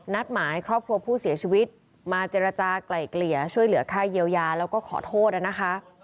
หมายครอบครัวผู้เสียชีวิตมาเจรจากลายเกลี่ยช่วยเหลือค่าเยียวยาแล้วก็ขอโทษนะคะ